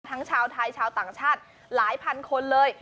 ชาวไทยชาวต่างชาติหลายพันคนเลย